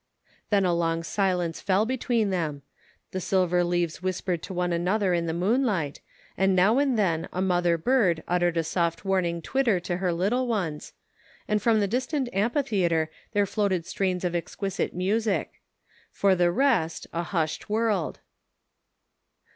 Then a long silence fell between them ; the sil ver leaves whispered to one another in the moon light, and now and then a mother bird uttered a soft warning twitter to her little ones, and from the distant amphitheatre there floated strains of exquisite music ; for the rest, a hushed world.